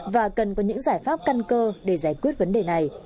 và cần có những giải pháp căn cơ để giải quyết vấn đề này